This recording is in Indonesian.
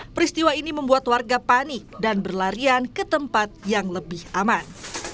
peristiwa ini membuat warga panik dan berlarian ke tempat yang lebih aman